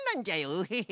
ウヘヘヘ。